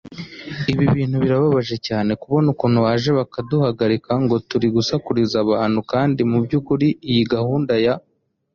Ibi bintu birababje cyane kubona ukuntu baje bakaduhagarika ngo turasakuriza abantu kandi mu byukuri iyi gahunda ya